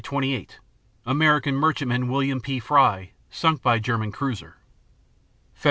28 American merchantman "William P. Frye" sunk by German cruiser._ Feb.